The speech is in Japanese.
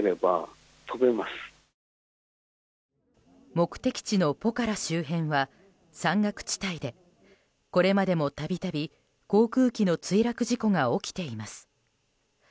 目的地のポカラ周辺は山岳地帯でこれまでも度々、航空機の墜落事故が起きています。